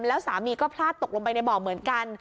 แล้วสามีก็พลาดตกลงไปในบ่อเหมือนกัน